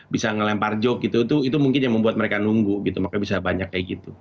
bisa ngelempar joke gitu itu mungkin yang membuat mereka nunggu gitu makanya bisa banyak kayak gitu